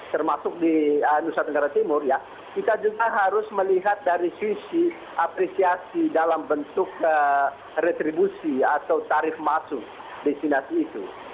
termasuk di nusa tenggara timur ya kita juga harus melihat dari sisi apresiasi dalam bentuk retribusi atau tarif masuk destinasi itu